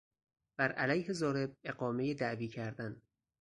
بر علیه ضارب اقامهی دعوی کردن